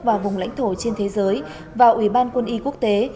và vùng lãnh thổ trên thế giới và ủy ban quân y quốc tế